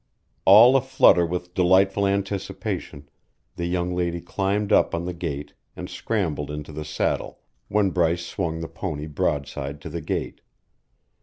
All aflutter with delightful anticipation, the young lady climbed up on the gate and scrambled into the saddle when Bryce swung the pony broadside to the gate.